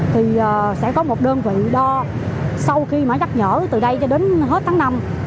thì sẽ có một đơn vị đo sau khi mà nhắc nhở từ đây cho đến hết tháng năm